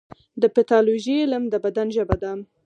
د پیتالوژي علم د بدن ژبه ده.